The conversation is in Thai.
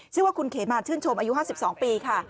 ชื่อว่าคุณเขมาชื่นชมอายุ๕๒ปีค่ะ